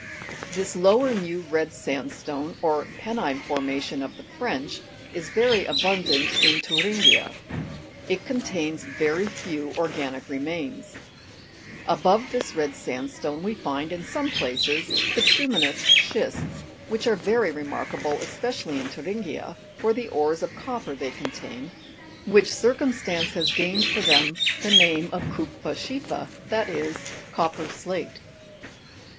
24. This lower new red sandstone, or penine formation of the French, is very abundant in Thuringia. It contains very few organic remains. Above this red sandstone we find, in some places, bituminous schists, which are very remarkable, especially in Thu ringia, for the ores of copper they contain, which circumstance has gained for them the name of kupfer s chief er, that is, copper slate.